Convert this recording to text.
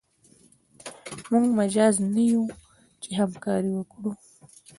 موږ مجاز نه یو چې همکاري وکړو.